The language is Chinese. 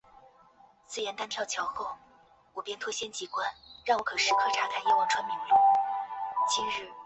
因此麦克库西克暗示说达文波特碑在背景信息上的不明确性使得其真实性值得被怀疑。